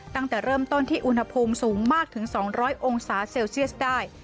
ตั้งแต่เริ่มต้นที่อุณหภูมิสูงมากถึง๒๐๐องศาเซลเซียสได้